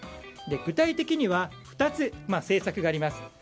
具体的には２つ政策があります。